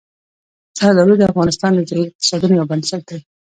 زردالو د افغانستان د ځایي اقتصادونو یو بنسټ دی.